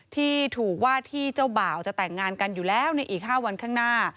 ที่ถูกว่าที่เจ้าบ่าวจะแต่งงานกันอยู่แล้วในอีก๕วันข้างหน้า